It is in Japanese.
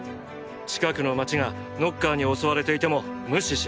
近くの街がノッカーに襲われていても無視しろ。